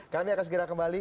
kami akan segera kembali